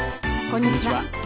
こんにちは。